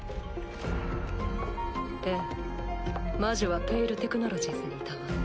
ええ魔女は「ペイル・テクノロジーズ」にいたわ。